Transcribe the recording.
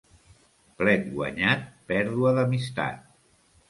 Plet guanyat, pèrdua d'amistat.